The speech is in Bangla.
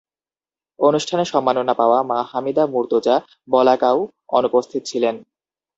অনুষ্ঠানে সম্মাননা পাওয়া মা হামিদা মুর্তজা বলাকাও অনুপস্থিত ছিলেন।